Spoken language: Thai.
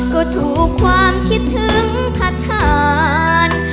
ก็ถูกความคิดถึงทัศน